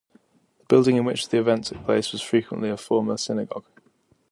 The building in which the event took place was frequently a former synagogue.